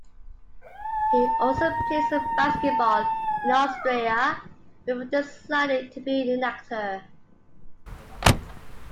He also played some basketball in Austria before deciding to be an actor.